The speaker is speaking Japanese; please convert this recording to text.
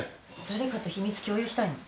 誰かと秘密共有したいの？